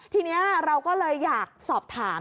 ทีนี้เราก็เลยอยากสอบถาม